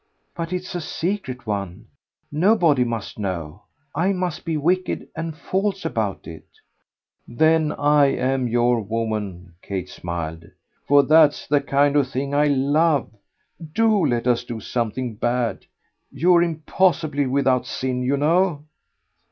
"But it's a secret one nobody must know. I must be wicked and false about it." "Then I'm your woman," Kate smiled, "for that's the kind of thing I love. DO let us do something bad. You're impossibly without sin, you know."